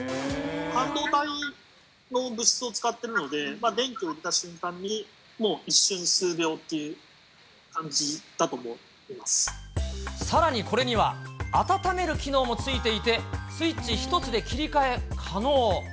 半導体の物質を使っているので、電気を入れた瞬間に、もう一瞬、さらにこれには、温める機能もついていて、スイッチ一つで切り替え可能。